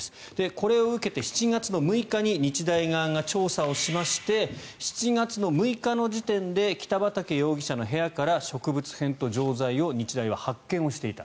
これを受けて７月６日に日大側が調査をしまして７月６日の時点で北畠容疑者の部屋から植物片と錠剤を日大は発見をしていた。